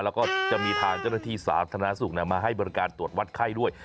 แล้วก็จะมีทางเจ้าหน้าที่สาธารณสุขมาให้บริการตรวจวัดไข้ด้วย